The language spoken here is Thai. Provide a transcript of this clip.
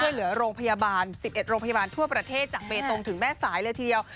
เหลือโรงพยาบาล๑๑โรงพยาบาลทั่วประเทศจากเบตงถึงแม่สายเลยทีเดียว